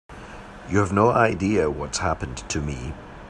You have no idea what's happened to me.